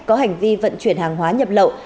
có hành vi vận chuyển hàng hóa nhập lậu